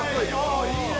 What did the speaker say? ああいいね！